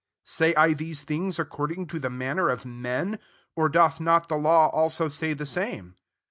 8 Say I these things according to the manner if men ? or doth not the law ailso say the same